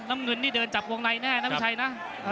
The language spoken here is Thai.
น้ำเงินนี่เดินจับวงในแน่นะพี่ชัยนะ